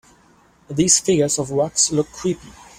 These figures of wax look creepy.